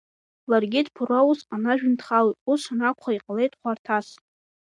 Ларгьы дԥыруа усҟан ажәҩан дхалоит, ус анакәха, иҟалеит хәарҭас.